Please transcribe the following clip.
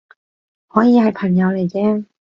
可以係朋友嚟啫